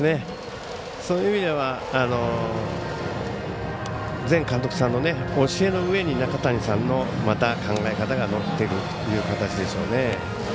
そういう意味では前監督さんの教えの上に中谷さんの考え方が乗っているという感じでしょうね。